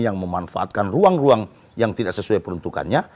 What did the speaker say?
yang memanfaatkan ruang ruang yang tidak sesuai peruntukannya